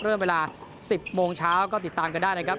เวลา๑๐โมงเช้าก็ติดตามกันได้นะครับ